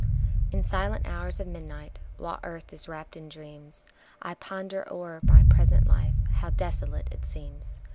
~ In silent hours of midnight while earth is wrapped in dreams, I ponder o'er my present life how desolate it seems.